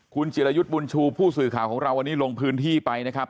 คุณจิรยุทธ์บุญชูผู้สื่อข่าวของเราวันนี้ลงพื้นที่ไปนะครับ